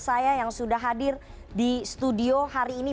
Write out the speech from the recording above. saya yang sudah hadir di studio hari ini